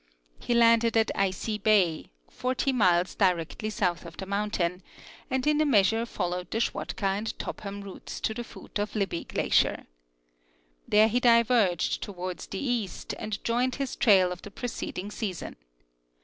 He landed at Icy bay, 40 miles directly south of the mountain, and in a measure followed theSchwatka and Topham routes to the foot of Libbey glacier. There he diverged toward the east and joined his trail of the preceding sea son.